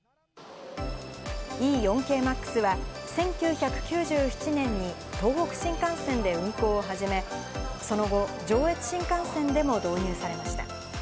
Ｅ４系Ｍａｘは、１９９７年に東北新幹線で運行を始め、その後、上越新幹線でも導入されました。